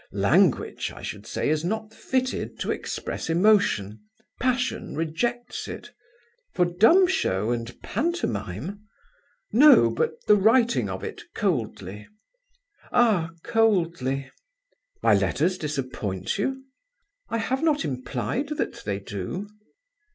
Language, I should say, is not fitted to express emotion. Passion rejects it." "For dumb show and pantomime?" "No; but the writing of it coldly." "Ah, coldly!" "My letters disappoint you?" "I have not implied that they do."